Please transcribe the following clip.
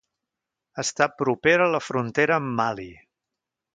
Està propera a la frontera amb Mali.